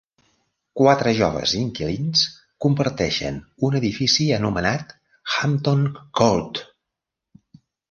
Quatre joves inquilins comparteixen un edifici anomenat "Hampton Court".